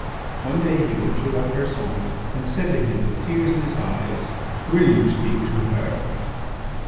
One day he went to Lapersonne and said to him with tears in his eyes: "Will you speak to her?"